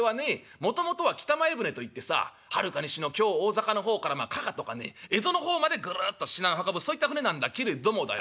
もともとは北前船といってさはるか西の京大坂の方から加賀とかね蝦夷の方までぐるっと品を運ぶそういった船なんだけれどもだよ